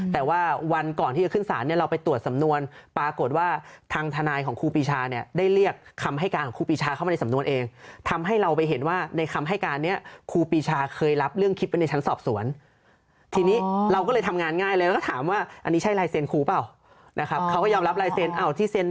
แต่ว่าวันก่อนที่จะขึ้นศาลเนี่ยเราไปตรวจสำนวนปรากฏว่าทางทนายของครูปีชาเนี่ยได้เรียกคำให้การของครูปีชาเข้ามาในสำนวนเองทำให้เราไปเห็นว่าในคำให้การนี้ครูปีชาเคยรับเรื่องคลิปไว้ในชั้นสอบสวนทีนี้เราก็เลยทำงานง่ายเลยแล้วก็ถามว่าอันนี้ใช่ลายเซ็นครูเปล่านะครับเขาก็ยอมรับลายเซ็นต์